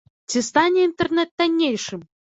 Ці стане інтэрнэт таннейшым?